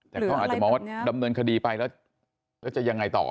แต่เขาอาจจะมองว่าดำเนินคดีไปแล้วแล้วจะยังไงต่อ